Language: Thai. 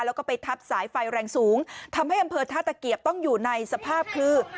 แล้วก็ไปทับสายไฟแรงสูงทำให้อำเภอท่าตะเกียบต้องอยู่ในสภาพคือ